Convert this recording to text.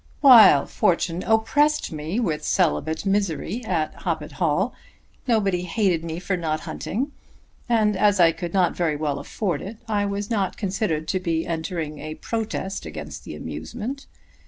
"While fortune oppressed me with celibate misery at Hoppet Hall, nobody hated me for not hunting; and as I could not very well afford it, I was not considered to be entering a protest against the amusement.